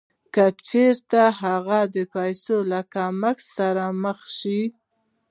که چېرې هغه د پیسو له کمښت سره مخ شي